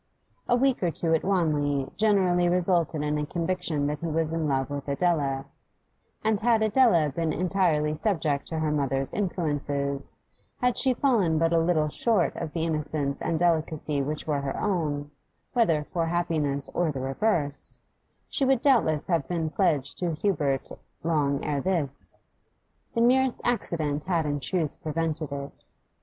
A week or two at Wanley generally resulted in a conviction that he was in love with Adela; and had Adela been entirely subject to her mother's influences, had she fallen but a little short of the innocence and delicacy which were her own, whether for happiness or the reverse, she would doubtless have been pledged to Hubert long ere this. The merest accident had in truth prevented it.